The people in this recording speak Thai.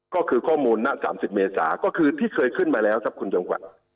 ก็คือข้อมูลณ๓๐เมษาก็คือที่เคยขึ้นมาแล้วครับคุณจำขวัญ